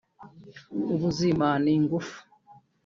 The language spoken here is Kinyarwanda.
ubuzima n’ingufu